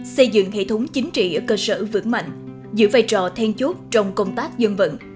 xây dựng hệ thống chính trị ở cơ sở vững mạnh giữ vai trò then chốt trong công tác dân vận